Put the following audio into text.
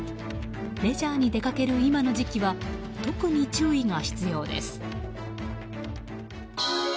レジャーに出かける、今の時期は特に注意が必要です。